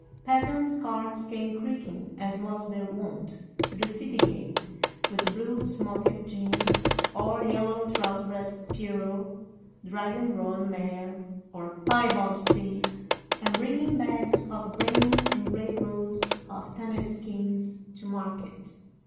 Peasants' carts came creaking, as was their wont, to the city gate, with blue smocked Jean or yellow trousered Pierrot driving roan mare or piebald steed, and bringing bags of grain and great rolls of tanned skins to market.